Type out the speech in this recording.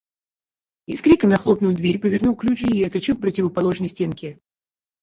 Я с криком захлопнул дверь, повернул ключ и отскочил к противоположной стенке.